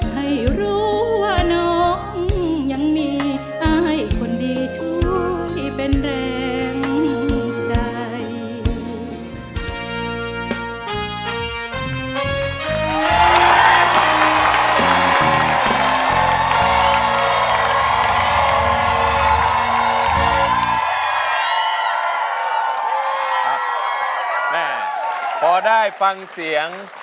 ให้รู้ว่าน้องยังมีอายคนดีช่วยเป็นแรงใจ